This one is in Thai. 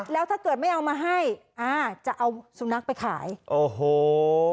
แล้วถ้าเกิดไม่เอามาให้อ่าจะเอาสุนัขไปขายโอ้โห